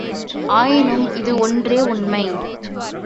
ஆயினும் இது ஒன்றே உண்மை.